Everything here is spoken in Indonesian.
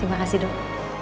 terima kasih dok